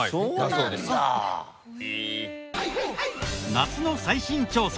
夏の最新調査！